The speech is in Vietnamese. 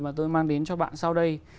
mà tôi mang đến cho bạn sau đây